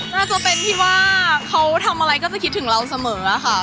น่าจะเป็นที่ว่าเขาทำอะไรก็จะคิดถึงเราเสมอค่ะ